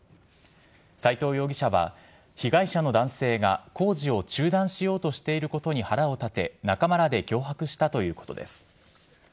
斉藤容疑者は被害者の男性が工事を中断しようとしていることに腹を立て、仲間らで脅迫したということです。